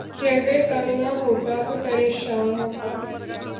کہ اگر تنگ نہ ہوتا تو پریشاں ہوتا